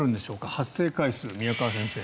発生回数、宮川先生。